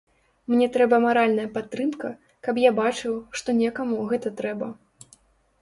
Мне трэба маральная падтрымка, каб я бачыў, што некаму гэта трэба.